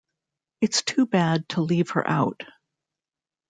It's too bad to leave her out.